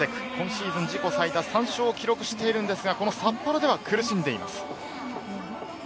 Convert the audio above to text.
シーズン自己最多の３勝を記録していますが、札幌では苦しんでいます。